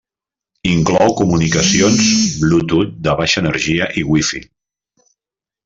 Inclou comunicacions Bluetooth de baixa energia i Wi-Fi.